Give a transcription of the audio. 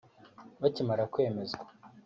Bakimara kwemezwa